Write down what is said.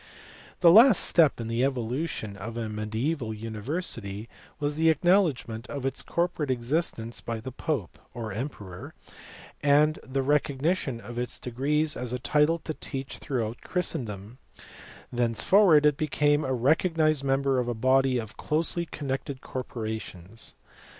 \ The last step in the evolution of a mediaeval university was the acknowledgment of its corporate existence by the pope (or emperor), and the recognition of its degrees as a title to teach throughout Christendom : thenceforward it became a recognized member of a body of closely connected corpora tions.